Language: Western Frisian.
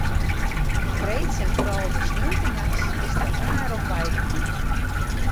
De freeds en foaral de sneontenachts is it der raar om wei gien.